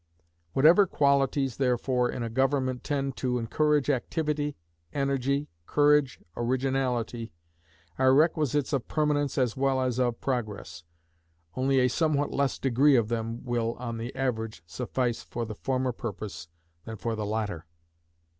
Whatever qualities, therefore, in a government, tend to encourage activity, energy, courage, originality, are requisites of Permanence as well as of Progress, only a somewhat less degree of them will, on the average, suffice for the former purpose than for the latter.